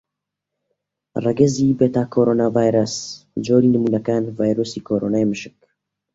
ڕەگەزی بێتاکۆڕوناڤایرەس: جۆری نموونەکان: ڤایرۆسی کۆڕۆنای مشک.